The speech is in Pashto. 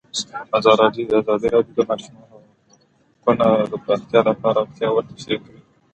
ازادي راډیو د د ماشومانو حقونه د پراختیا اړتیاوې تشریح کړي.